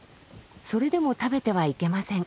それでも食べてはいけません。